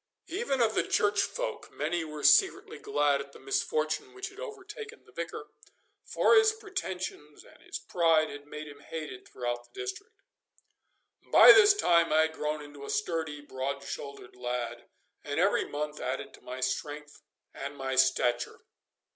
Even of the Church folk many were secretly glad at the misfortune which had overtaken the Vicar, for his pretensions and his pride had made him hated throughout the district. By this time I had grown into a sturdy, broad shouldered lad, and every month added to my strength and my stature.